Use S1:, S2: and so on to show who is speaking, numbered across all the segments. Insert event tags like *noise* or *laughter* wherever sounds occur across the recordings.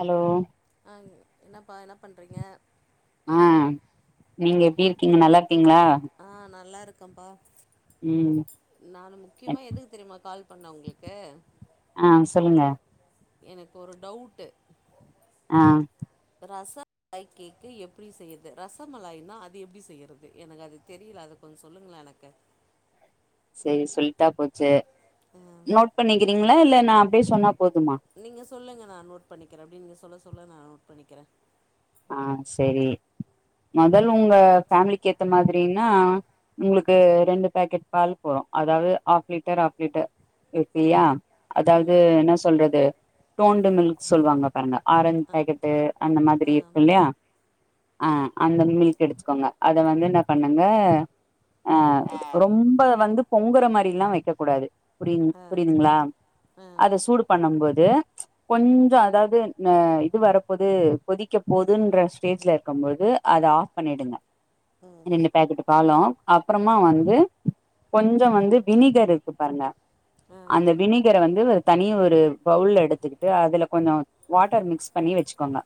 S1: Hello
S2: ஆ என்னப்பா என்ன பண்றீங்க
S1: ஆ நீங்க எப்படி இருக்கீங்க நல்லா இருக்
S2: ஆ நல்லா இருக்கேப்பா
S1: ம்
S2: நான் முக்கியமா எதுக்கு தெரியுமா கால் பண்ண உங்களுக்கு
S1: ஆ சொல்லுங்க
S2: எனக்கு ஒரு டவுட்
S1: ஆ
S2: ரசமலாய் கேக்கு எப்படி செய்றது ரசமலாய்னா அது எப்படி செய்யறது எனக்கு அது தெரியலா அத கொஞ்சம் சொல்லுங்களே எனக்கு
S1: சரி சொல்லிட்டா போச்சு
S2: ஆ,
S1: நோட் பண்ணிக்கிறீங்களா இல்ல நான் அப்படியே சொன்னா போதுமா
S2: நீங்க சொல்லுங்க நான் நோட் பண்ணிக்கிறேன் அப்டியே நீங்க சொல்ல சொல்ல நான் நோட் பண்ணிக்கிறேன்
S1: ஆ சரி முதல உங்க ஃபேமிலிக்கு ஏத்த மாதிரின்னா உங்களுக்கு ரெண்டு பாக்கெட் பால் போதும் அதாவது ஹாஃப் லிட்டர் ஹாஃப் லிட்டர் ஓகேயா அதாவது
S2: ம்
S1: என்ன சொல்றது டோண்டு மில்க் சொல்லுவாங்க பாருங்க ஆரஞ்ச் பேக்கெட்டு அந்த மாதிரி
S2: ஆ
S1: இருக்கு இல்லையா அ அந்த மில்க் எடுத்துக்கோங்க அத வந்து என்ன பண்ணுங்க அ ரொம்ப வந்து பொங்கற மாரில்லாம் வெக்க கூடாது புரிய
S2: ஆ
S1: புரியுதுங்களா
S2: ஆ
S1: அத சூடு பண்ணும் போது கொஞ்சம் அதாவது இது வரப்போது கொதி போதுன்ற ஸ்டேஜ்ல இருக்கும்போது அத ஆப் பண்ணடுங்க
S2: ம்
S1: ரெண்டு பாக்கெட் உம் பாலும் அப்புறமா வந்து கொஞ்சம் வந்து வினிகர் இருக்கு பாருங்க
S2: ஆ ஆ
S1: அந்த வினிகர வந்து தனி ஒரு பவுல்ல எடுத்துக்கிட்டு அதுல கொஞ்சம் வாட்டர் மிக்ஸ் பண்ணி வச்சுக்கோங்க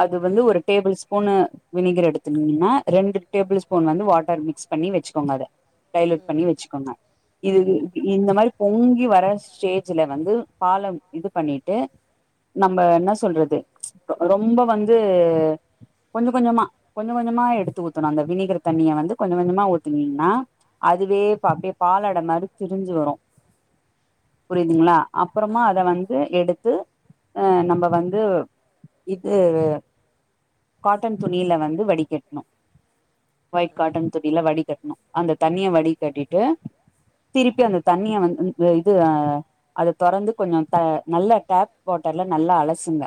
S1: அது
S2: ஆ ஆ ஆ
S1: வந்து ஒரு
S2: ஆ
S1: டேபிள் ஸ்பூனு வினிகர் எடுத்துக்கங்கமா ரெண்டு டேபிள் ஸ்பூன் வந்து வாட்டர் மிக்ஸ் பண்ணி வச்சுக்கோங்க அத டைல்யூட் பண்ணி வெச்சுக்கோங்க இது இந்த மாரி பொங்கி வர ஸ்டேஜுல வந்து பாலம் இது பண்ணிட்டு நம்ம என்ன சொல்றது ரொம்ப வந்து கொஞ்ச கொஞ்சமா கொஞ்ச கொஞ்சமா எடுத்து ஊத்தணு அந்த வினிகர் தண்ணிய வந்து கொஞ்ச கொஞ்சமா ஊத்துனீங்கன்னா அதுவே இப்ப அப்டியே பாலட மாரி திரிஞ்சு வரு புரியுதுங்ளா
S2: ஆ
S1: அப்பறமா அத வந்து எடுத்து அஹ் நம்ப வந்து இது கோட்டன் துணில வந்து வடிகெட்ணு வயிட் காட்டன் துணில வடி கெட்ணு அந்த தண்ணிய வடி கட்டிட்டு திருப்பி அந்த தண்ணிய வந் அ இது அ அத தொறந்து கொஞ்சொ த நல்ல டேப் போட் டல்ல நல்லா அலசுங்க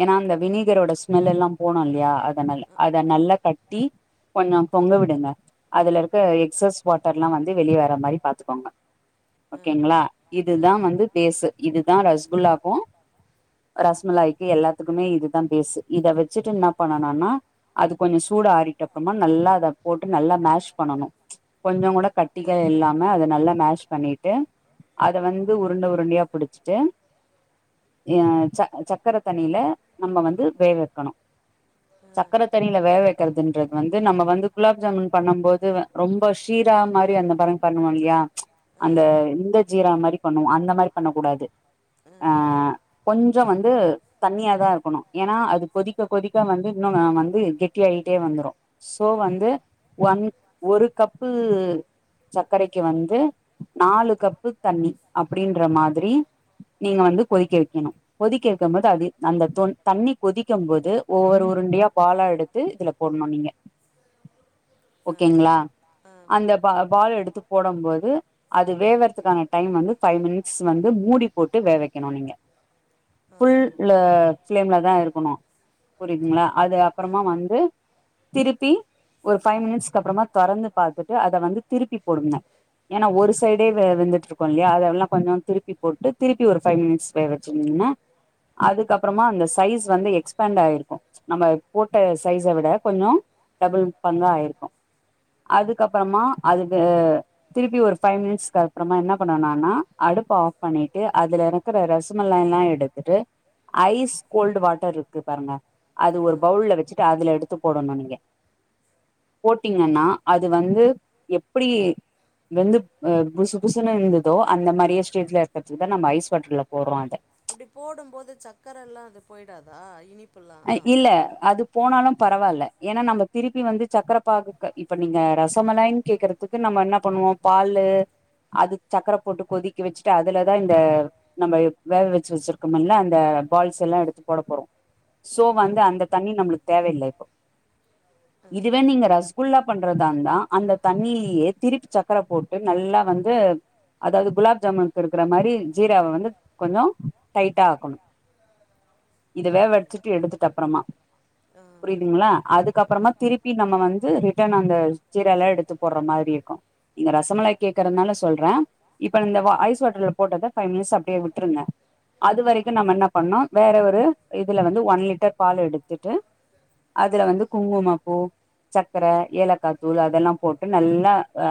S1: ஏனா அந்த வினீகரோட ஸ்மெல் எல்லா போனுல்யா அதநால அத நல்லா கட் டி கொஞ்சோ தொங்க விடுங்க அதுல இருக்க எக்ஸஸ் வாட்டர்லா வந் ந்து வெளிய வர மாரி பாத்துக்கோங்க ஓகேங்களா இது இதுதா வந்து பேசு இதுதா ரசகுலாக்கு ரசமலாய்க்கி எல்லா த்துக்குமே இதுதா பேசு இத வெச்சிட்டு என்ன பண்ணனோனா அது கொஞ்சொ சூடு ஆறிட்ட அப்றமா நல்லா அத போட்டு நல்லா மேஷ் பண்ணனு கொஞ்சொ கூட கட்டிகள் இல்லாம அத நல்லா மேஷ் பண்ணிட்டு அத வந்து உருண்ட உருண்டயா புடிச்சுட்டு அஹ் ச சக்கர தண்ணில நம்ம வந்து வேக வெக்கணு சக்கர தண்ணில வேக வெக்கறதுன்றது வந்து நம்ம வந்து குலாப் ஜாமுன் பண்ணம் போது ரொம்ப ஷீர் ரா மாரி அந்த பரங் பண்ணுவோல்லியா
S2: ஆ
S1: அந்த இந்த ஜீரா மாரி பண்ணுவோ அந்த மாரி பண்ணக்கூடாது
S2: ஆ
S1: ஆஹ் கொஞ்சோ வந்து தண்ணியா தா இருக்கணு ஏன்னா அது கொதிக்க கொதிக்க வந்து இன்னு வ வந்து கெட்டி ஆயிட்டே வந்துரு சோ வந்து ஒன் ஒரு கப்பு சக்கரைக்கு வந்து நாலு கப்பு தண்ணி அப்டின்ற மாதிரி நீங்க வந்து கொதிக்க வெக்கணு கொதிக்க வெக்கம்போது அது அந்த தொன் தண்ணி கொதிக்கம் போது ஒவ்வொரு உருண்டயா பாலா எடுத்து இதுல போட்ணு நீங்க ஓகேங்ளா
S2: ஆ
S1: அந்த ப பால் எடுத் து போடம் போது அது வேவறதுக்கான டைம் வந்து ஃபை மினிட்ஸ் வந்து மூடி போட்டு வேவெக்கணு நீங்க
S2: ஆ
S1: ஃபுல் லு
S2: ஓகே
S1: ஃப்லம்ல தா இருக்கணு புரியதுங்ளா அது அப்பறமா வந்து திருப்பி ஒரு ஃபைமினிட்ஸ் கப்றமா தொறந்து பாத்துட்டு அத வந்து திருப்பி போடுங்க எனா ஒரு சைடே வெ வெந்துட்ருக்கூல்லிய அதெல்லா கொஞ்சொ திருப்பி போட்டு திருப்பி ஒரு ஃபை மினிட்ஸ் வெ வெச்சிருங்க ன அதுக்கப்பறமா அந்த சைஸ் வந்து எக்ஸ்பேண்ட் ஆயிருக்கு நம்ம போட்ட சைஸ விட கொஞ்சோ டபுள் பங்கா ஆயிருக்கு அதுக்கப்பறமா அதுக்கு திருப்பி ஒரு ஃபை மினிட்ஸக் அப்றமா என்ன பண்ணனோனா அ அடுப்பு ஆஃப் பண்ணிட்டு அது இருக்குற ரசமலாய்லா எடுத்துட்டு ஐஸ் கோல்டு வாட்டர் ருக்கு பாருங்க அது ஒரு
S2: ஆ
S1: பவுல்ல வெச்சுட்டு அதுல எடுத் த்து போடனு நீங்க போட்டீங்கன்னா அது வந்து எப்புடி வெந்துப் அ புசு புசுனு இருந்துதோ அந்த மாரியே ஸ்டேஜுல இருக்கறதுக்கு தா நம்ப ஐஸ் வாட்டர்ல போட்றோ அத
S2: அப்டி போடும்போது சக்கரல்லா அது போய்டாதா இனிப்
S1: அ இல்ல அது போனாலும் பரவால்ல ஏனா நம்ம திருப்பி வந்து சக்கர பாகு இப்ப நீங்க ரசமலாயுன்னு கே்கறதுக்கு நம் ம என்ன பண்ணுவோ பால்லு அது சக்கர போட்டு கொதிக்க வெச்சுட்டு அதுலதா இந்த நம்ப வேக வெச்சு வெச்சிருக்கமல்ல அந்த ப பால்ஸ் எல்லா எடுத்து போட போறோ சோ
S2: ஓ
S1: வந்து அந்த தண்ணி நம்ளுக்கு தேவயில்ல இப்ப
S2: ஆ
S1: *inaudible* இதுவே நீங்க ரஸ்குல்லா பண்றதாந்தா அந்த தண்ணிலியே திருப்பி சக்கர போட்டு நல்லா வந்து அதாவது குலாப் ஜாமுனுக்கு இருக்கிற மாரி ஜீராவை வந்து கொஞ்சம் டைட்டா ஆக்கணு
S2: ஓகே
S1: இதவேவடிச்சிட்டு எடுத்துட்டு அப்புறமா
S2: ஆ
S1: புரியுதுங்களா அதுக்கு அப்புறமா
S2: ம்
S1: திருப்பி நம்ம வந்து ரிட்டன் அந்த சீரல எடுத்து போடுற மாரி இருக்கும் நீங்க ரசமலை கேக் றனால சொல்றேன் இப்ப இந்த ஐஸ் வாட்டர்ல போட்டத பைவ் மிட்ஸ் அப்படியே விட்ருங்க அது வரைக்கும் நம்ம என்ன பண்ண வேற ஒரு இதுல வந்து ஒன் லிட்டர் பால் எடுத்துட்டு அதுல வந்து குங்கும பூ சக்கரை ஏலக்காய் தூள் அதெல்லாம் போட்டு நல்லா அ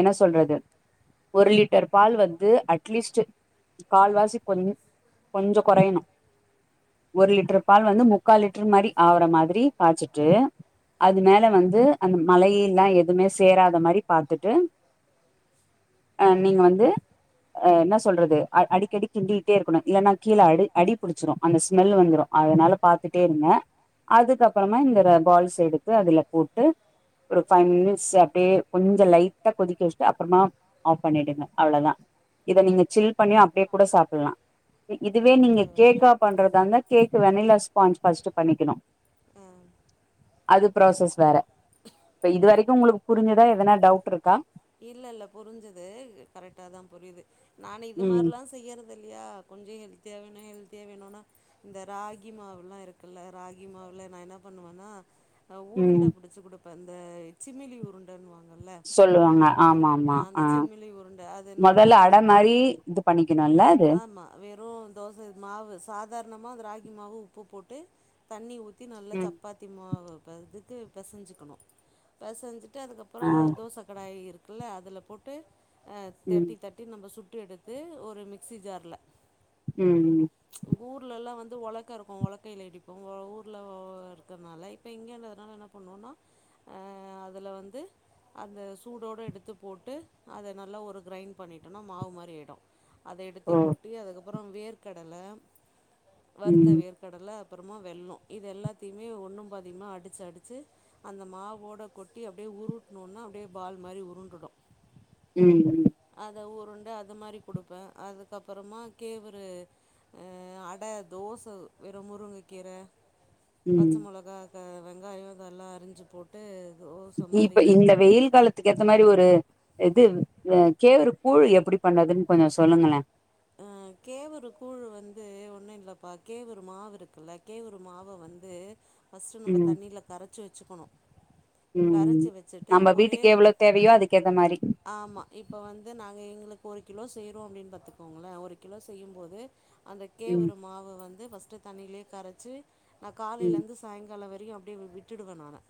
S1: என்ன சொல்றது ஒரு லிட்டர் பால் வந்து அட்லீஸ்ட் கால்வாசி கொஞ் கொஞ்சம் குறையணும் ஒரு லிட் டர் பால் வந்து முக்கால் லிட்டர் மாரி ஆவுற மாதிரி காய்ச்சுட்டு அது மேல வந்து அந்த மலையல்லாம் எதுவுமே சேராத மாதிரி பாத்ட்டு அ நீங்க வந்து அ என்ன சொல்றது அடிக்கடி கிண்டிட்டே இருக்கணும் இல்லைன்னா கீழே அடி அடிபிடிச்சிரும் அந்த ஸ்மெல் வந்துரும் அதனால பாத்துுட்டே இருங்க அதுக்கப்புறமா இந்த பால்ஸ் எடுத்து அதுல போட்டு ஒரு ஃபைவ் மினிட்ஸ் அப்படியே கொஞ்சம் லைட்டா கொதிக்க வச்சுட்டு அப்புறமா ஆஃப் பண்ணிடுங்க அவ்ளவுதா இத நீங்க சில் பண்ணியும் அப்படியே கூட சாப்டலாம் இதுவே நீங்க
S2: ஓகே ஓகே
S1: கேக்கா பண்றதாந்த கேக் வெனிலா ஸ்பா்ச் ஃபர்ஸ்ட் பண்ணிக்கணும்
S2: ஆ
S1: அது ப்ராசஸ் வேற இப்ப இது வரைக்கும் உங்களுக்கு புரிஞ்சதா எதனா டவுட் இருக்கா
S2: இல்ல இல்ல புரிஞ்சுது கரெக்டாதான் புரியுது நான இது
S1: ம்
S2: மாதிரல்லா செய்யறது இல்லையா கொஞ்சம் ஹெல தேவையான ஹெல்த்தியா வேணும்னா இந்த ராகி மாவு எல்லாம் இருக்குல்ல ராகி மாவுல நான் என்ன பண்ணுவேன்னா
S1: ம்
S2: உருண்டை பிடிச்சி கொடுப்பே இந்த சிமிலி உருண்டன்னுுவாங்க
S1: சொல்லுவாங்க ஆமா ஆமா ஆ
S2: சிமிலி உருண்டை அது
S1: முதல்ல அடை மாரி இது பண்ணிக்க
S2: ஆமா வெறும் தோசை மாவு சாதாரண தாகிமாக உப்பு போட்டு தண்ணி ஊற்றி நல்ல
S1: ம்
S2: சப்பாத்தி மா இது பெசஞ்சுக்கணும் பெசைஞ்சிட்டு
S1: ஆ
S2: அதுக்கப்புறம் தோசை கடாய இருக்கு ல அதில் போட்டு
S1: ம்
S2: தேர்டி தேர்ட்டி நம்ம சுட்டு எடுத்து ஒரு மிக்சி ஜார்ல
S1: ம் ம்
S2: ஊர்ல எல்லாம் வந்து ஒலக்க இருக்கும் ஒலக்கில இடிப்போம் ஊர்ல இருக்கிறதுனால இப்ப இங்கதுனால என்ன பண்ணோன்னா அதில வந்து அந்த சூடோடு எடுத்து போட்டு அதை நல்லா ஒரு கிரைண்ட் பண்ணிட்டோம்னா மாவு மாரி ஆயிடு அதை எடுத்து
S1: ஓ
S2: கொட்டி அதுக்கப்புறம் வேர்க்கடலை வருத்த
S1: ம்
S2: வேர்க்கடலை அப்புறமா வெள்ளம் இது எல்லாத்தையுமே ஒன்னு பாதியூமா அடிச்சு அடிச்சு அந்த மாவோட கொட்டி அப்படியே உருட்னோனா அப்படியே பால் மாதிரி உருண்டுடும்
S1: ம் ம்
S2: அத ஊருண்டு அது மாதிரி குடுப்பேன் அதுக்கப்புறமா கேவரு அ அடை தோசை வெற முருங்கை கீரை
S1: ம்
S2: பச்சை மிளகா வெங்காயம் இதெல்லாம் அரிஞ்சு போட்டு தோசை
S1: இப்ப
S2: மாதிரி
S1: இந்த வெயில் காலத்துக்கு ஏத்த மாதிரி ஒரு இது கேவூரு கூழ் எப்படி பண்துன்னு கொஞ்சம் சொல்லுங்களே
S2: கேவரு கூழு வந்து ஒண்ணு இல்லைப்பா கேவரு மாவு இருக்குல்ல கேவரு மாவ வந்து ஃபஸ்ட்டு நம்ம தண்ணியில் கரைச்சு வச்சக்கணும்
S1: ம் ம் நம்ம வீட்டுக்கு எவ்வளவு தேவையோ அதுக்கு ஏத்த மாரி
S2: ஆமா இப்போ வந்து நாங்க எங்களுக்கு ஒரு கிலோ செய்றோ அப்படின்னு பாத்துக்கோங்களே ஒரு கிலோ செய்யும்போது அந்த
S1: ம்
S2: கேவூரு மாவு வந்து பஸ்ட் தண்ணியிலேயே கரைச்சு நான் காலையில
S1: ம்
S2: இருந்து சாயங்காலம் வரை அப்படிய விட்டுடுவேன் நானு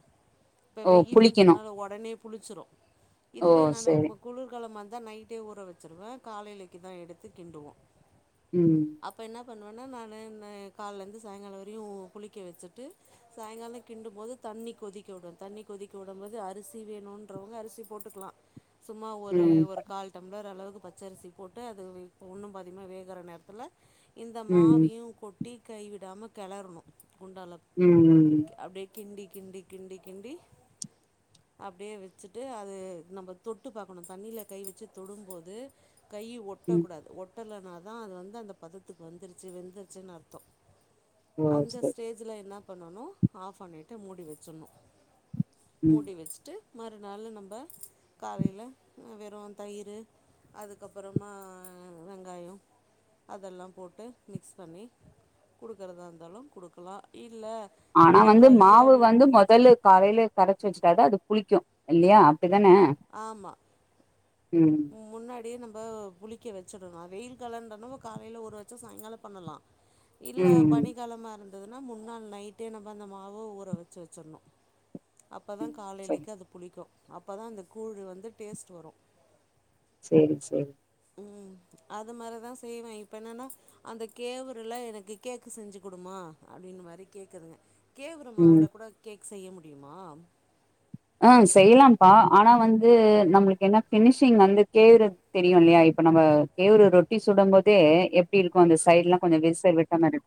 S2: இப்ப
S1: ஓ புளிக்கணு
S2: வெயில்ன்றதுனால உடனே புளிச்சிரும் இது
S1: ஓ
S2: இதுவே நானு
S1: செரி
S2: குளிர்காலமா இருந்தா நைட்டே ஊற வச்சிருவேன் காலையிலக்கு தான் எடுத்து கிண்டுுவோம்
S1: ம்
S2: பண்ணுவனா நான் காலருந்து சாயங்காலம் வரையும் புளிக்க வச்சுட்டு சாயங்காலம் கிண்டும்ும்போது தண்ணி கொதிக்க விடும் தண்ணி கொதிக்க விடும்போது அரிசி வேணுன்றவங்க அரிசி போட்டுக்கலா சும்மா ஒரு
S1: ம்
S2: ஒரு கால் டம்ளர் அளவுக்கு பச்சரிசி போட்டு அது ஒன்னு பதிமா வேகற நேரத்தில இந்த
S1: ம்
S2: மாவியு கொட் கைவிடாம கெளறணு குண்டால
S1: ம் ம்
S2: அப்டியே கிண்டி கிண்டி கிண்டி கிண்டி அப்டியே வச்சுட்டு அது நம் தொட்டு பாக்கணு தண்ணியில கை வச்சு தொடும்போது கை
S1: ம்
S2: ஒட்டக்கூடாது ஒ ட்டலனாாதா அது வந்து அந்த பதத்துக்கு வந்துருச்சு வெந்துருச்சுன்னு அர்த்த
S1: ஓ
S2: அந்த
S1: செரி
S2: ஸ்டேஜ்ல என்னா பண்ணனு ஆஃப் பண்ணிட்டு மூடி வச்சணு
S1: ம்
S2: மூடி வச்சுட்டு மறுநாள்ளு நம்ம காலையில அ வெறு தயிரு அதுக்கப்புறமா வெங்காய அதெல்லா போட்டு மிக்ஸ் பண்ணி குடுக்கறதா இருந்தாலு குடுக்கலா
S1: ஆனா வந்து மாவு வந்து மொதல்ல காலையில கரைச்சு வச்சுட்டாத அது புளிக்கு இல்லையா இதன்னா
S2: உ முன்னாடியே நம் ம்போ புளிக்க வச்சுரணு வெயில் காலண்டனம்ம காலையில உறவச்சா சாயங்கால பண்ணலா இல்ல
S1: ம்
S2: பனிக்காலமா இருந் துனா முன்னாள் நைட்டே நம்ம அந்த மாவ ஊற வச்சு வச்சிணு அப்பதா
S1: ம். சரி
S2: காலையிலக்கு அது புளிக்கு அப்பதா அந்த கூழ் வந்து டேஸ்ட் வரு
S1: சரி சரி
S2: அது மாரிதா செய்வே இப்ப என்னன்னா அந்த கேவரல எனக்கு கேக்கு செஞ்சு குடுமா அப்டின்னு மாரி கேக்குதுங்க கேவறமா
S1: ம்
S2: மாவள கூட கேக் செய்ய முடியுமா
S1: ஆ செய்யலாம்ப்பா ஆனா வந்து நம்மளுக்கு என்ன பினிஷிங் வந்து கேவறது தெரியு இல்லையா இப்ப நம்ம கே ஒரு ரொட்டி சுடும் போதே எப்டி இருக்கு அந்த சைடு்ல்லா கொஞ்ச விருச விட்ட மாரி இரு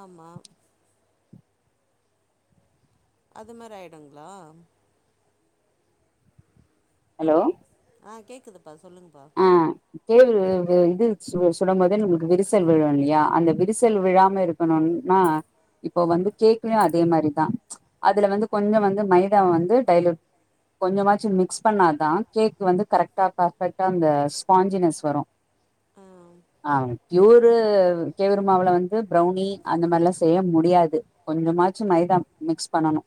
S2: ஆமா அது மாதிரி ஆய்டுங்களா
S1: ஹலோ
S2: ஆ கேக்குதுப்பா சொல்லுங்கப்பா
S1: தே இது சுல் சுடு போத நம்மளுக்கு விரிசல் விழு இல்லையா அந்த விரிசல் விழாம இருக் க்கணம்னா இப்போ வந்து கேக்குமே அதே மாரிதா அதுல வந்து கொஞ்ச வந்து மைதாவ வந்து டைலூட் கொஞ்சமாச்சு மிக்ஸ் பண்ணாதா கேக் வந்து கரெக்டா பபெக்ட் அந்த ஸ்பாஞ்சினஸ் வரு
S2: ஆ
S1: ஆ ப்யூரு கேவரு மாவுல வந்து ப்ரௌனி அந்த மாரிலா செய்ய முடியாது கொஞ்ச மாச்சு மைதா மிக்ஸ் பண்ணணு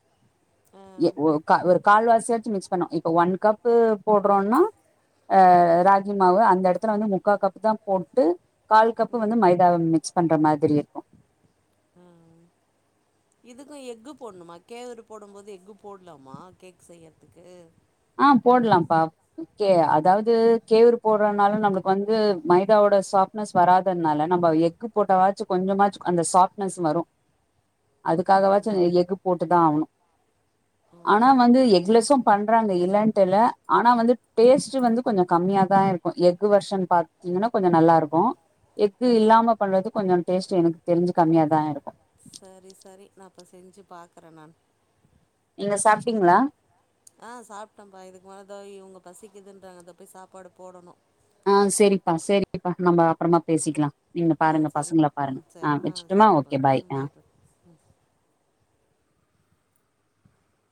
S2: ஆ
S1: எ ஒ க ஒரு கால்வாசியாச்சு மிக்ஸ் பண்ணோ இப்ப ஒன் கப்பு போடுறோனா அ ராகி மாவு அந்த எடத்துல வந்து முக்கா கப்பு தா போட்டு கால் கப்பு வந்து மைதாவ மிக்ஸ் பண் ற மாதிரி இருக்கு
S2: இதுக்கு எக்கு போடணுமா கேவரு போடும் போது எக்கு போடலாமா கேக் செய்யறதுக்கு
S1: ஆ போடலாம்ப்பா கே அதாவது கேவுரு போடுறனால நம்மளுக்கு வந்து மைதாவோட சாப் னஸ் வராததுனால நம்ம எக்கு போட்டாவாச்சு கொஞ்சமாச்சு அந்த சாஃப்ட்னஸ் வரு அதுக்காகவாச்ச
S2: ஓ
S1: எஃகு போட்டுதா ஆகணு ஆனா
S2: ம்
S1: வந்து எகுலஸு பண்ண ர அங்க இல்லண்ட்டு இல்ல ஆனா வந்து டேஸ்ட் வந்து கொஞ்ச கம்மியாதா இருக்கு எகு வெர்ஷன் பாத்தீங்கன்னா கொஞ்ச நல்லாருக்கு எக்கு
S2: ம்
S1: இல்லாம பண்றது கொஞ்ச டேஸ்ட்டு எனக்கு தெரிஞ்சு கொஞ்ச கம்மியாதா இருக்கு
S2: சரி சரி நா இப்போ செஞ்சு பாக்கறே நா
S1: நீங்க சாப்டீங்ளா
S2: ஆ சாப்ட்டேப்பா இதுக்கு மேல த உங்க பசிக்கு இதுன்றாங்க போய் சாப்பாடு போடணு
S1: ஆ சரிப்பா சரிப்பா நம்ம அப்பறமா பேசிக்கலா நீங்க
S2: ஆ
S1: பாருங்க
S2: சரிப்பா
S1: பசங்கள
S2: ம்
S1: பாருங்க
S2: சரி ஆ
S1: வச்சுட்டுமா ஓகே
S2: சரிங்கப்பா
S1: பாய்
S2: ம்
S1: ஆ
S2: பயப்ப ம்